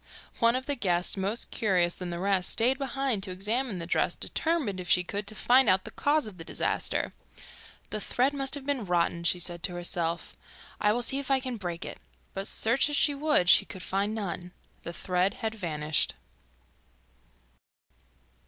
One of the guests, more curious than the rest, stayed behind to examine the dress, determined, if she could, to find out the cause of the disaster. 'The thread must have been rotten,' she said to herself. 'I will see if I can break it.' But search as she would she could find none. The thread had vanished!